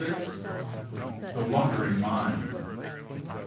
THE WANDERING MIND.